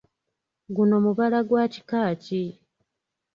Guno mubala gwa kika ki?